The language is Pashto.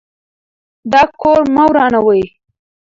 دا کور مه ورانوئ.